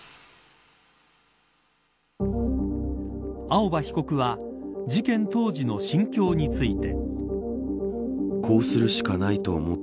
青葉被告は事件当時の心境について。